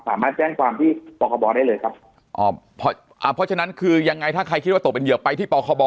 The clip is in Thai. สามารถแจ้งความที่ปคบได้เลยครับอ๋ออ่าเพราะฉะนั้นคือยังไงถ้าใครคิดว่าตกเป็นเหยื่อไปที่ปคบ